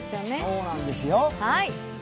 そうなんですよ。